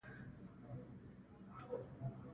ښه ده، مشره، ډېر ښه بخت مو په برخه شه.